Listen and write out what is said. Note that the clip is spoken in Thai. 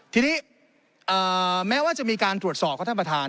ทีนี้แม้ว่าจะมีการตรวจสอบครับท่านประธาน